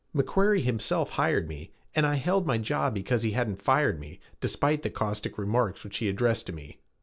McQuarrie himself hired me and I held my job because he hadn't fired me, despite the caustic remarks which he addressed to me.